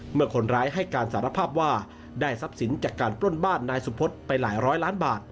เมื่อคนร้ายให้การสารภาพว่าได้ทรัพย์สินจากการปล้นบ้านนายสุพธิ์ไปหลายร้อยล้านบาท